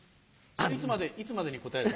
いつまでに答えれば？